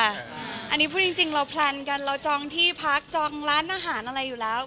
อันนี้พูดจริงเราแพลนกันเราจองที่พักจองร้านอาหารอะไรอยู่แล้ว